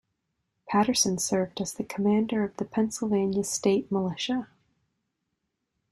Patterson served as the Commander of the Pennsylvania State militia.